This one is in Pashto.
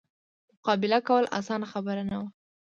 مقابله کول اسانه خبره نه وه.